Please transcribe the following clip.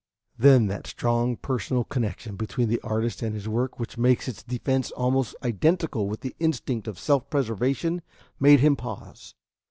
Then that strong personal connection between the artist and his work which makes its defense almost identical with the instinct of self preservation, made him pause.